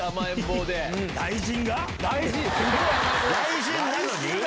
雷神なのに？